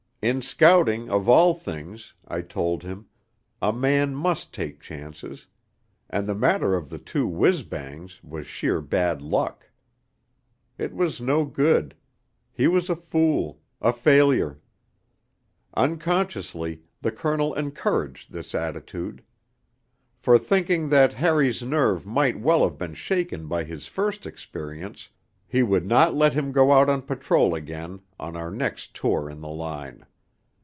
In scouting, of all things, I told him, a man must take chances; and the matter of the two whizz bangs was sheer bad luck. It was no good; he was a fool a failure. Unconsciously, the Colonel encouraged this attitude. For, thinking that Harry's nerve might well have been shaken by his first experience, he would not let him go out on patrol again on our next 'tour' in the line.